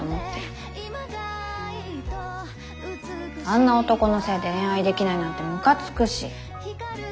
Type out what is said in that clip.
あんな男のせいで恋愛できないなんてむかつくし。